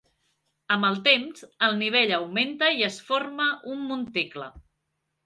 Amb el temps, el nivell augmenta i es forma un monticle.